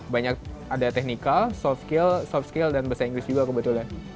banyak ada teknikal soft skill dan bahasa inggris juga kebetulan